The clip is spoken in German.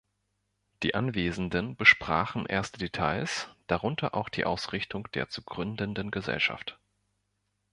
Die Anwesenden besprachen erste Details, darunter auch die Ausrichtung der zu gründenden Gesellschaft.